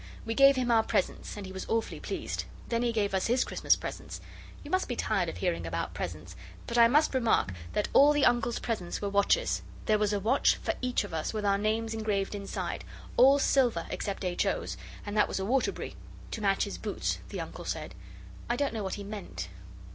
We gave him our presents and he was awfully pleased. Then he gave us his Christmas presents. You must be tired of hearing about presents, but I must remark that all the Uncle's presents were watches; there was a watch for each of us, with our names engraved inside, all silver except H. O.'s, and that was a Waterbury, 'To match his boots,' the Uncle said. I don't know what he meant.